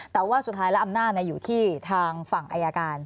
แต่ว่าสุดท้ายแล้วอำนาจอยู่ที่ทางฝั่งอายการ